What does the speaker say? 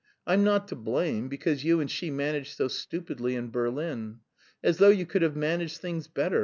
I'm not to blame because you and she managed so stupidly in Berlin. As though you could have managed things better.